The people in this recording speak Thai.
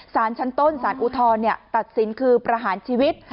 สารชั้นต้นสารอุทธรณ์ตัดสินคือประหารชีวิต